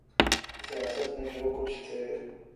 سیاست میں جو کچھ تھے۔